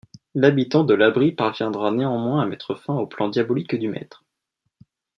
L'habitant de l'abri parviendra néanmoins à mettre fin au plan diabolique du Maître.